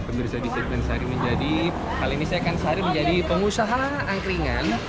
pemirsa di sekmen sehari menjadi kali ini sekmen sehari menjadi pengusaha angkringan